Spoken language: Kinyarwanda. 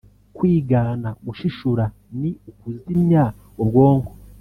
Kwigana (gushishura) ni ukuzimya ubwonko